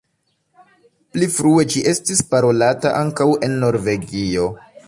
Pli frue ĝi estis parolata ankaŭ en Norvegio.